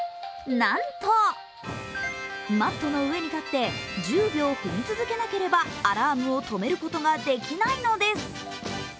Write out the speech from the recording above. なんと、マットの上に立って１０秒踏み続けなければアラームを止めることができないのです。